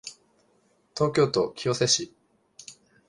東京都清瀬市